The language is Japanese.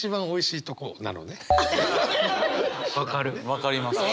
分かります。